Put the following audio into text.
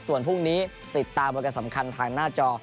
ส่วนพรุ่งนี้ติดตามโปรแกรมสำคัญทางหน้าจอ